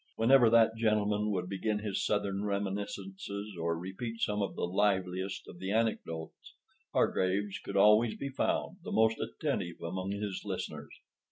Whenever that gentleman would begin his Southern reminiscences, or repeat some of the liveliest of the anecdotes, Hargraves could always be found, the most attentive among his listeners.